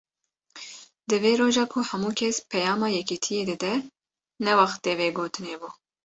Di vê roja ku hemû kes peyama yekitiyê dide, ne wextê vê gotinê bû.